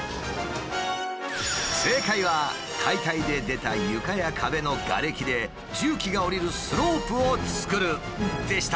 正解は「解体で出た床や壁のガレキで重機が降りるスロープを作る」でした。